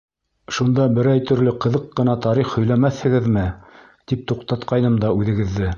Шунда берәй төрлө ҡыҙыҡ ҡына тарих һөйләмәҫһегеҙме, тип туҡтатҡайным да үҙегеҙҙе.